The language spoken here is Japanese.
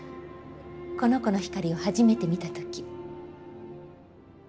この子の光を初めて見た時。